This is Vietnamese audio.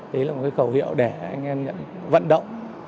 đấy là một cái khẩu hiệu để anh em nhận vận động